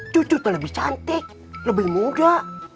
cucu tuh lebih cantik lebih muda